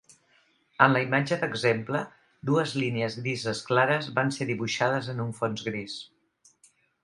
En la imatge d'exemple, dues línies grises clares van ser dibuixades en un fons gris.